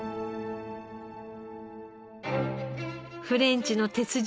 フレンチの鉄人